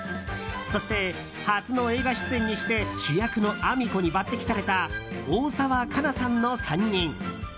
そして、初の映画出演にして主役のあみ子に抜擢された大沢一菜さんの３人。